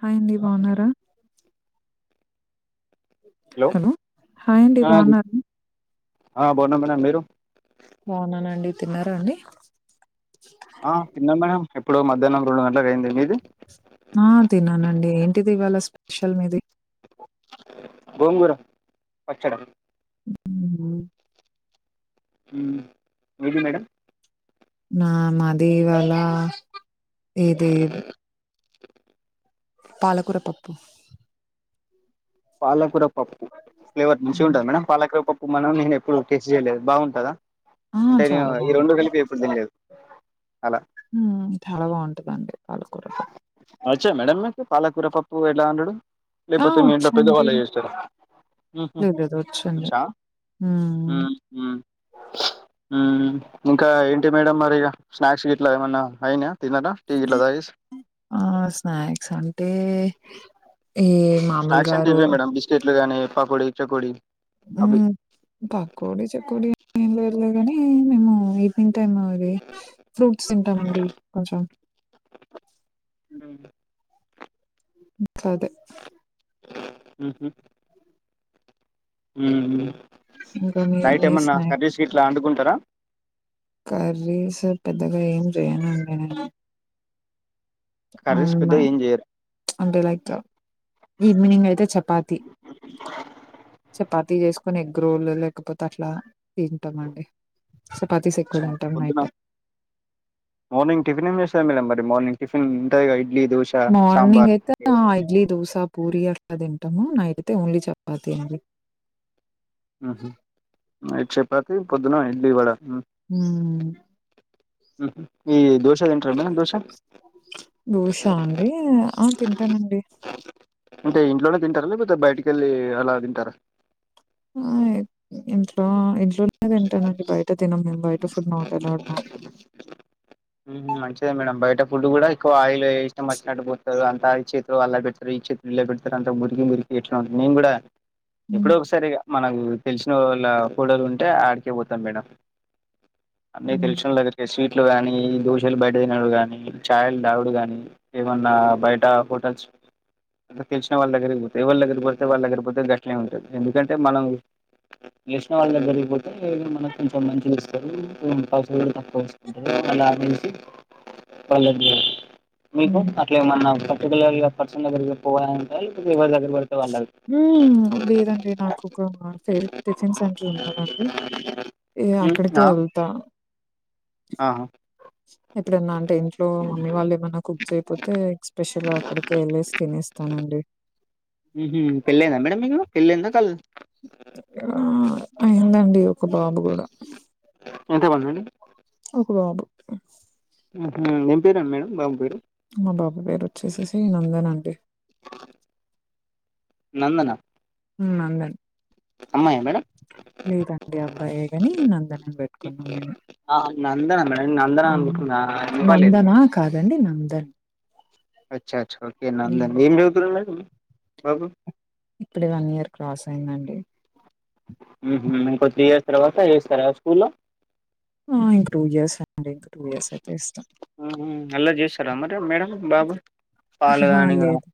Hi అండి బాగున్నారా hello హాయండి ఆ బోన్నర ఆ బాన్నా మేడం మీరు బోన్నానండి తిన్నారండి ఆ తిన్నాం మేడం ఎప్పుడో మధ్యాహ్నం రెండు గంటలకు అయింది మీది ఆ తిన్నానండి ఏంటిది ఇవాళ స్పెషల్ మీది గోంగూర పచ్చడ హ్మ్. హ్మ్ మీది మేడం నా మాది ఇవళ ఇది పాలకూర పప్పు పాలకూర పప్పు ఫ్లేవర్ హ్మ్. మంచుంటద మేడం పాలకూర పప్పు ఇప్పుడు మనం నేను ఎప్పుడు టెస్ట్ చేయలేదు బాగుంటదా ఆ! అంటే నేను చాలా ఈ రెండు కలిపి ఎప్పుడు తినలేదు అలా ఉమ్మ్ చాలా బాగుంటదండి పాలకూర పప్పు వచ్చా మేడం మీకు పాలకూర పప్పు ఎట్లా వండుడు ఆ వచ్చు పాలయేసుడా ఉహ్ వచ్చండి. వచ్చా హ్మ్ హ్మ్ ఉహ్ ఇంకా ఏంటి మేడం మరి ఇగ స్నాక్స్ గిట్లా ఏమన్నా అయ్నాయా ఆ స్నాక్స్ అంటే ఈ స్నాక్స్ మామూలుగా అంటే రో ఇవే మేడం బిస్కెట్లు గానీ పకోడి చెకోడి ఉమ్ పక్కోడి చెక్కడి ఏంలేదులే కాని మేము ఈవినింగ్ టైం ఆవి ఫ్రూట్స్ తింటామండి కొంచెం హ్మ్ కాదే ఉహు ఉహ్ ఇంకా మీ మీ నైటేమన్నా స్నాక్ కర్వీస్ గిట్లా అండుకుంటారా కర్రీస్ పెద్దగా ఏం జేయనునండి నేను ఆ కర్రీస్ పెద్దగా ఏం చేయరు అంటే లైక్ ఈవ్నింగ్ అయితే చెపా చెపాతి చెపాతి తీసేసుకొని ఎగ్ రోల్ లేకపోతే అట్లా తింటామండి చపాతీస్ ఎక్కువ అచ్చా తింటాం పొద్దున నైట్ మార్నింగ్ టిఫినేం చేశారు మేడం మరి మార్నింగ్ టిఫన్ ఉంటాయిగా మార్నింగ్ అయితే ఇడ్లీ దోసా పూరి అ తింటాము నైట్తై ఓన్లీ చపాతి అండి నేట్ చపాతి పొద్దున ఇడ్లీ వడ హ్మ్ ఉహ్ ఈ దోశ తిట్టారా మేడం దోశ దోశ అండి ఆ తింటానండి అంటే ఇంట్లోనే తింటారా లేకపోతే బయటికెళ్ళి అలా తింటారా ఆ ఇంట్లో ఇంట్లోనే తింటానండి బయట తినం మేము బయట ఔటర్ ఫుడ్ నాట్ అల్లవడ్ మాకు ఉమ్ మంచిదే మేడం బయట ఫుడ్ కూడా ఎక్కువ ఆయిల్ ఇష్టం వచ్చినట్టు పోతది అం. ఈ చేతు అలా పెడతారు ఈ చేతు ఇలా పెడతారు అంత ముర్కి ముర్కి ఎట్లాంది నేను కూడా. హ్మ్ ఎప్పుడో ఒక్సారి మనకు తెలిసిన వాళ్ళ హోటలుంటే ఆడికే పోతాం మేడం. అన్నీ హ్మ్. తెల్షినోల్లా స్వీట్లు కాని. ఈ దోశలు బయట తినడు గాని చాయలు తాగుడు గాని ఏమన్నా బయట హోటల్స్. అ తెల్సిన వాళ్ళ దగ్గరికి పోతే ఎవర్ దగ్గరికి పోతే వాళ్ళ దగ్గరికితే పోతే గట్లేనే ఉంటంది ఎందుకంటే మనం తెల్సిన వాళ్ళ దగ్గర పోతే మనకు కొంచెం మంచిగా ఇస్తారు పైసల్ కూడా తక్కువ్ తీస్కుంటారు వాళ్ళ అండిచి వాళ్ళకు మీకు హ్మ్. అట్లా ఏమన్నా ఒక పర్సనల్ దగ్గర్కి పోవాలాంటే ఇప్పుడ్ ఎవర్ దగ్గర్ పడితే వాళ్ళది ఊమ్ లేదండి నాకు ఒక ఫేవరేట్ టిఫిన్ సెంటర్ ఉన్నదండి నేను అక్కడికే ఏళ్తా. ఆహ్. ఎప్పుడన్నా అంటే ఇంట్లో మమ్మీ వాళ్ళు ఏమన్నా కుక్ చేయ్పోతే. స్పెషల్ గా అక్కడికే ఏల్లెసి తినేస్తానండి. ఉమ్ పెళ్లయిందా మేడం మీకు పెళ్లయిందా కాలేదా. ఆహ్ అయిందండి ఒక బాబు కూడా. ఇంతే వాళ్ళు చూడండి. ఒక బాబు ఉమ్. ఉమ్ ఏం పేరు మేడం బాబు పేరు. మా బాబు పేరు ఒచ్చేసేసి నందన్ అండి. నందనా. ఉమ్ నందన్. అమ్మాయా మేడం లేదండి అబ్బాయే కాని నందన్ అని పెట్ట్కున్నాం మేము. ఆ నందన మేడం నందన ఉమ్ అనుకుంటున్నా వినపలేదు నందనా కాదండి నందన్. అచ్చా అచ్చ ఓకే హ్మ్. నందన్ ఏం చదువుతున్నాడు మేడం బాబు. ఇప్పుడే వన్ ఇయర్ క్రాస్ అయిందండి. ఉమ్ ఇంక త్రీ ఇయర్స్ తర్వాత ఏస్తారా స్కూల్లా. ఆహ్ ఇంకా టూ ఇయర్సా. ఆహ్ అల్లరి చేస్తాడా మరి మేడం బాబు. పాలు ఆహ్ గాని ఇగ లేదు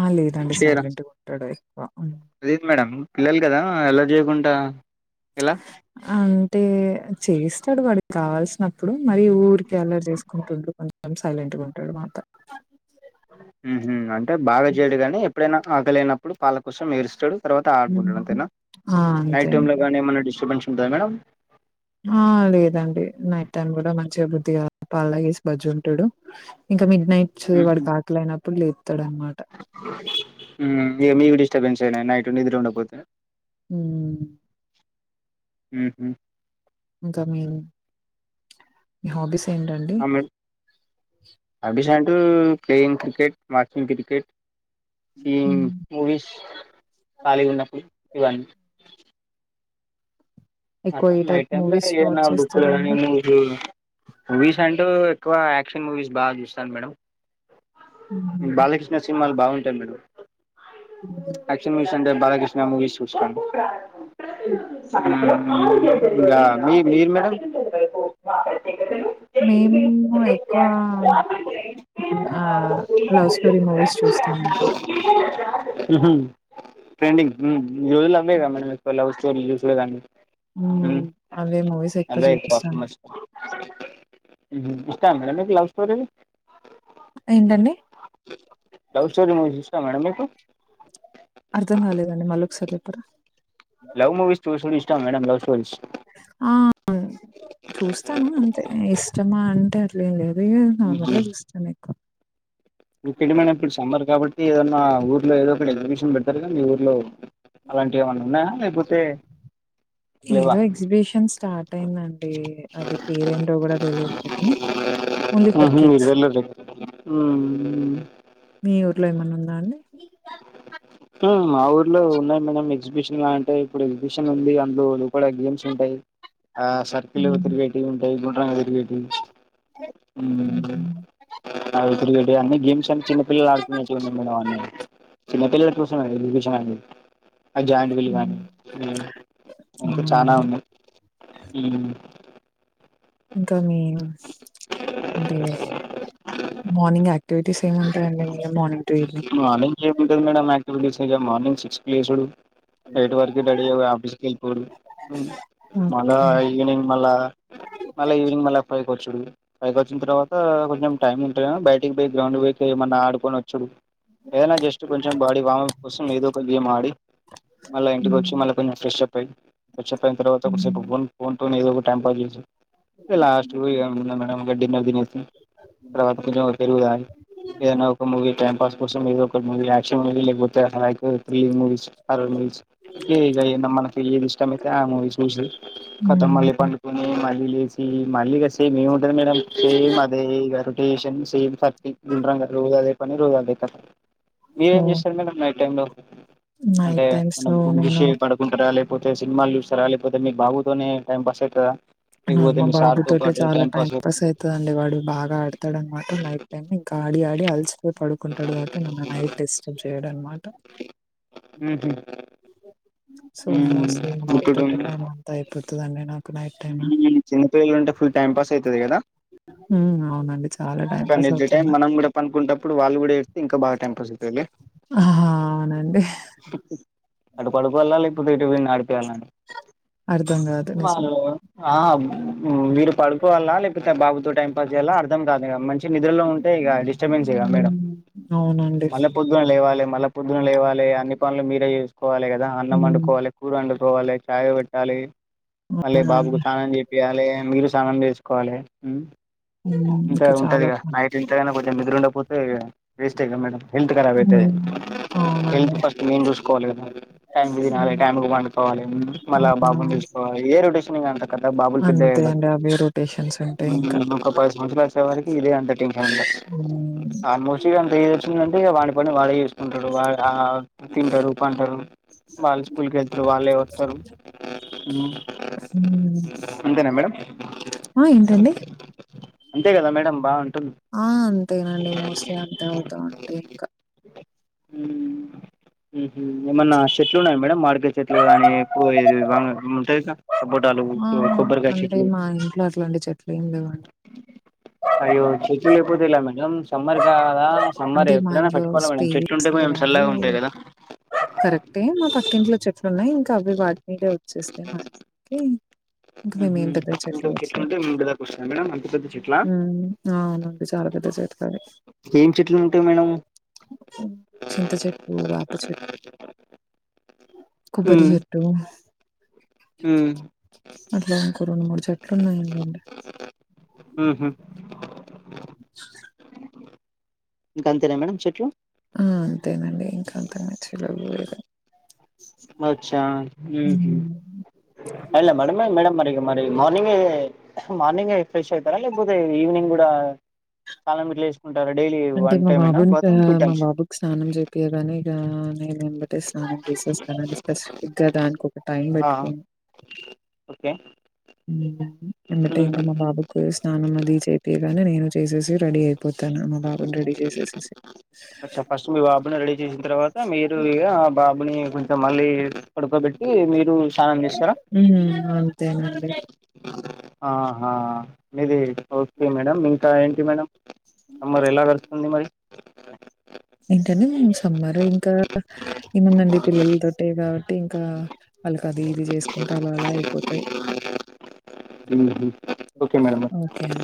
ఆహ్ లేదండి చేయరా సైలెంట్గా ఉంటాడు. అదేంది మేడం పిల్లలు కదా అల్లరి చేయ్కుండా ఎలా. అంటే చేస్తాడు వాడికి కావాల్సినప్పుడు మరి ఊరికే అల్లరి చేస్కుంటు ఉండుకుండ. సైలెంట్గా ఉంటాడాన్మాట. ఉహు అంటే బాగా చేయ్డు గాని ఎప్పుడైనా ఆకలైనప్పుడు పాల కోసం ఏడుస్తాడు. తర్వాత ఆడ్కుంటాడు హ్మ్. అంతేనా ఆ! అంతే నైట్ టైం లో అంతే. కానీ ఏమన్నా డిస్టర్బెన్స్ ఉంటుందా మేడం. ఆహ్ లేదండి నైట్ టైం కూడా మంచిగా బుద్ధిగా పాల్తాగేసి బజ్జోంటాడు ఇంకా. మిడ్ నైట్స్ ఉహు వాడ్కి ఆక్కలైనప్పుడు లేప్తాడాన్మాట. టెన్షనే నైట్ నిద్ర ఉండక్పోతే. ఉమ్. ఊహు. ఇంకా మీ హబీస్. అమిల్ అభిషా. ఉమ్ ప్లేయింగ్ క్రికెట్ వాచింగ్ క్రికెట్. ఉమ్ హ్మ్. ముూవిస్ ఖాళీ గున్నప్పుడు ఇవన్నీ. ఎక్కువ ఏ టైప్ నైట్ టైం లో మూవీస్ ఏదైనా వాచ్ చేస్తారండి? [unintelligible] మూవీస్ అంటూ. ఎక్కువ యాక్షన్ మూవీస్ బాగ్ చూస్తాను మేడం హ్మ్. బాలకృష్ణ సినిమాలు బాగుంట. మేడం యాక్షన్ మూవీస్ అంటే బాలకృష్ణ మూవీస్ చూస్తాను. ఉమ్ ఇంకా మీర్ మీరు మేడం. మేము ఎక్కువ ఆ లవ్ స్టోరీ మూవీస్ చూస్తానండి ఉ హుమ్ ట్రేండింగ్ ఉమ్ ఈ రోజులో అవ్వే గా మనం ఎక్కువ లవ్ స్టోరీలు చూసేదాన్ని హ్మ్ ఊమ్ అవే మూవీస్ ఎక్కువ అదే టఫ్ చూస్తాను. మస్ట్ ఉ హుమ్ ఇష్టా మేడం మీక్ లవ్ స్టోరీలు ఏంటండి లవ్ స్టోరి మీక్ ఇష్టం మేడం మీకు అర్థం కాలేదండి మల్లోక్ససారి చెప్పరా. లవ్ మూవీస్ చుసుడు ఇష్టమా మేడం లవ్ స్టోరీస్. ఆహ్ చూస్తాను అంతే ఇష్టమా అంటే అట్లేం లేదు. ఉమ్ నార్మల్ ఉహు గా చూస్తాను ఎక్కువ. ఇంకేంటి మేడం ఇప్పుడు సమ్మర్ కాబట్టి ఏదన్నా ఊర్లో ఏదో ఒక ఎగ్జిబిషన్ పెడతారు కదా మీ ఊర్లో. అలాంటివి ఏమైనా ఉన్నాయా లేకపోతే. లేవా ఏదో ఎగ్జిబిషన్ స్టార్ట్ అయిందండి అది పేరేంటో కూడా తెలియదు లే గానీ ఆహా మీరు వెళ్లలేదా అవును మీ ఊర్లో ఏమన్నా ఉందా అండి ఉ ఆ ఊర్లో ఉన్నాయి మేడం ఎగ్జిబిషన్ లా అంటే ఇప్పుడు ఎగ్జిబిషన్ ఉంది అందులో నెంబర్ అఫ్ గేమ్స్ ఉంటయి ఆ సర్కిల్ల హ్మ్. తిరిగేటివి ఉంటయి గుండ్రంగ తి టివి ఉమ్ అవి తిరిగేటివి ఇగ అన్ని గేమ్స్ అన్ని చిన్నపిల్లలు ఆడుకునేటివి ఉన్నయి మేడం అన్ని చిన్నపిల్లలు కోసమే ఎగ్జిబిషన్ అన్ని అ జాయింట్ వీల్ కానీ హ్మ్. ఊ ఇంక చానా అవునండి ఉన్నాయి ఉమ్ ఇంకా మీరు అంటే మార్నింగ్ యాక్టివిటీస్ ఏమి ఉంటాయండి [unintelligible] మార్నింగ్ టు ఈవినింగ్? మార్నింగ్ ఏముంటది మేడం యాక్టివిటీస్ ఇగ మార్నింగ్ సిక్స్ కి లేసుడు ఎయిటు వరకు రెడీ అయి ఆఫీస్కి వెళ్ళిపోవుడు మళ ఓకే. ఈవ్నింగ్ మళ్ల మళ్ళ ఈవ్నింగ్ మల పొయ్ వచ్చుడు పైకి వచ్చిన తర్వాత కొంచెం టైమ్ ఉంటేనేమో బయటికి పోయి గ్రౌండ్ పోయి ఏమన్నా ఆడుకొని వచ్చుడు ఏదనా జస్ట్ కొంచెం బాడి వమప్ కోసం ఏదోక గేమాడి మళ్ళ ఇంటికి వచ్చి హ్మ్. మళ్ళ కొంచెం ఫ్రెష్ అప్ పొయ్ ఫ్రెష్ అప్ అయిన తర్వాత కొద్దీసేపు హ్మ్. ఫోన్ ఫోన్తోటి ఏదో ఒకటి టైం పాస్ చేసి ఇగ లాస్టుకు పోయి ఇగ ఏం లేద్ మేడం డిన్నర్ దినేసి తర్వాత కొంచం ఓ పెరుగు తాగి ఏదన్నా ఒక మూవీ టైం పాస్ కోసం ఏదో ఒక మూవీ యాక్షన్ మూవీలకు పోతే హకు త్రీ మూవీస్ హార్రర్ మూవీస్ ఏ ఇగ ఏందో మనకి ఏది ఇష్టమయితే ఆ మూవీ చూసి కతం హ్మ్. మళ్ళీ పండుకుని మ లేసి మళ్ళీ ఇగ సేమ్ ఏముంటది మేడం సేమ్ అదే ఇగా రొటేషన్స్ ఏం హప్పి గుండ్రంగా రోజు అదే పని రోజు అదే పని మీరేం ఓహ్! చేస్తారు మేడం నైట్ టైమ్ లో అంటే నైట్ టైమ్స్ ఏమన్నా లో బుక్ నేను జూసే పడుకుంటార లేే పోతే సినిమాలు చూస్తారా లేకపోతే మీ బాబుతోనే టైమ్ పాస్ అయితదా నాకు లేకపోతే మా మీ సార్ తో బాబుతోటే పాటు చాలా టైం పాస్ అయితందండి వాడు బాగా ఆడతడు అనమాట నైట్ టైమ్ ఇంకా ఆడి ఆడి అలిసిపోయి పడుకుంటాడు కాబటి నను నైట్ డిస్టర్బ్ చేయడనమాట ఉహు సో మోస్ట్లీ మా బాబుతోటె టైం అంతా అయిపోతదండి నాకు నైట్ టైమ్. ఉమ్ చిన్నపిల్లలు ఉంటే ఫుల్ టైం పాస్ అయితది కదా హ్మ్. అవునండి. చాలా టైం కాని పాస్ నిద్ర టైం అవుతుంది. మనం కూడా పనుకుంటప్పుడు వాళ్ళు కూడా ఏ ఇంకా బాగా టైం పాస్ ఐతదిలే ఆ! అవునండి. అటు పడుకోవళ్ల లేకపోతే ఇటు విడిని ఆడిపియాల్నా అని అర్థం కాదు నిజం ఆ ఉ మీరు పడుకోవాలా లేకపోతే బాబుతో టైం పాస్ చేయాలా అర్థం కాదు ఇగ మంచి నిద్రలో ఉంటే ఇగ డిస్టబెన్స్ ఏ గా మేడం హ్మ్. అవునండి. మల్ల పొద్దున్న లేవాలే మల్ల లెవాలి అన్ని పనులు మీరే చేసుకోవాలి గదా. అన్నం హ్మ్. వండుకోవాలి, కూర వండుకోవాలి, చాయ్ పెట్టాలి. హ్మ్ చేపియాలే మీరు స్నానం చేసుకోవాలే హ్మ్ హ్మ్. ఇంక ఇంకా చాలా ఉంటదిగ పన్ నైట్ ఎంతైన కొంచెం నిద్రవుండకపోతే ఇగ వెస్టే కదా మేడం హెల్త్ ఖరాబ్ అయితది హ్మ్. హెల్త్ అవునండి ఫస్ట్ మేము చూసుకోవాలి కదా టైమ్ తినాలి టైమ్ పండుకోవాలి ఆ మళ్ళా బాబుని చూసుకో ఇదే రొటేషన్ ఇంగ అంత కత బాబు పెద్ద గయే అంతే అండి వరకు అవే రొటేషన్స్ ఉంటాయి ఊ ఇంకా ఒక పది సంవత్సరాలు వచ్చే వరకి ఇదే అంత టెన్షన్ ఉంటది హ్మ్. ఆల్మోస్ట్ ఇగ అంత ఏ వచ్చిదంటే ఇగ పని వాడేచేసుకుంట టరు వాళ్ ఆ తింటరు పంటరు వాళ్ళు స్కూల్ కేళ్తారు వాళ్ళే వతరు ఊ ఊ ఆ ఏంటండి అంతే కదా మేడమ్ బాగుం ఆ అంతేనండి మోస్ట్లీ అంతే అవుతాం అంటే ఇంక హ్మ్ ఏమన్న చెట్లు ఉన్నాయ మేడం మాడికాయ చెట్లు గాని ఎక్కువ ఉంటయి గా సపోటాలు ఆ కొబ్బరికాయ అంటే చెట్లు మా ఇంట్లో అట్లాంటి చెట్లు ఏం లేవండి అయ్యో చెట్లు [unintelligible] మేడం సమ్మర్ కాద సమ్మర్ అంటే మా ఎప్పుడైన ఇంట్లో పెట్టుకోవాలే మేడం స్పేస్ చెట్టుంటే కొంచెం లేదండి సల్లగ్ ఉంటది కదా కరెక్టే మా పక్కింట్లో చెట్లు ఉన్నాయి ఇంకా అవి వాటి మీదే వచ్చేస్తే మా ఇంక మేం పెద్దగ ఇంట్లో చెట్లు ఎట్లేదు ఉంటే మీ ఇంటి దాకా వస్తాయా మేడం అంత పెద్ద చెట్లా హ్మ్ అవునండి చాలా పెద్ద చెట్లే ఏం చెట్లు ఉంటాయి మేడం చింత చెట్టు వ్యాప చెట్ కొబ్బరి ఉమ్, చెట్టు ఉమ్, అట్లా ఇంక రెండు మూడు చెట్లు వున్నాయండి ఉహు. ఇంక అంతేనా మేడం చెట్లు హ్మ్ అంతేనండి ఇంక అంతకు మించి లెవ్వు ఇగ ఆచ్చ ఉహ్మ్ హ్మ్. ఎలా మేడ మేడం మరి మార్నింగే మార్నింగ్ ఫ్రెష్ అవుతర లేకపోతే ఈవినింగ్ గూడ స్నానం గర్ల్స్ అంటే మా బాబుని మా టైమ్స్ బాబుకి స్నానం చెపియాగానే ఇగా నేను ఎంబటే స్నానం చేసేస్త స్పెసిఫిక్ గ దానికి ఒక టైం ఆ పెట్టుకోన్ ఓకే హ్మ్ ఎమ్మట్టే ఇంకా మా బాబుకు స్నానం అది చేపియగానే నేను చేసేసి రెడీ అయి మా బాబును రెడీ చేసేసిసి అచ్చా ఫస్ట్ మీ బాబుని రెడీ చేసిన తర్వాత మీరు ఇ ఆ బాబుని కొంచెం మళ్ళీ పడుకోబెట్టి ట్టి మీరు స్నానం చేస్తర హ్మ్ అంతేనండి ఆహా మీది ఒకే మేడం ఇంక ఏంటి మేడం మరి ఎలా గడుస్తుంది మరి ఏంటనే సమ్మర్ ఇంకా ఏముందండి పిల్లలతోటె ఇగ అంటే ఇంకా వాళ్ళకి అది ఇది చేసుకుంట అలా అలా అయిపోతయి ఉహ్మ్ ఒకే మేడం ఓకే అండి.